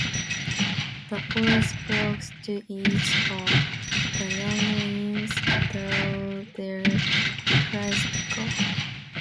The Force spoke to each of the younglings through their crystals.